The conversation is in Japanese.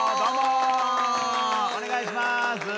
お願いします。